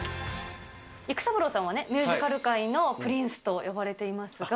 育三郎さんはね、ミュージカル界のプリンスと呼ばれていますが。